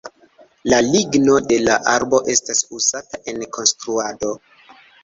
La ligno de la arbo estas uzata en konstruado.